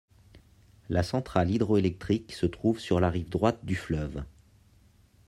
La centrale hydroélectrique se trouve sur la rive droite du fleuve.